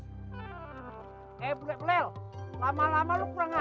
eh bule bulel lama lama lo perangkan